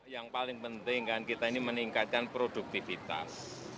yang paling penting kan kita ini meningkatkan produktivitas